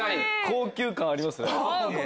高級感ありますね。